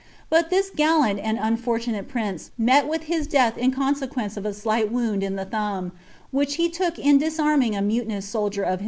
But this gaU iml unfortunate prince met with his death in consequence of a slight id in tiie thumb, which he took in disanning a mutinous soldier of MHX.